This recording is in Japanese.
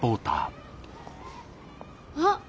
あっ！